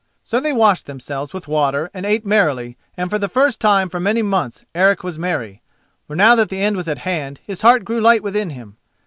So they washed themselves with water, and ate merrily, and for the first time for many months Eric was merry. For now that the end was at hand his heart grew light within him.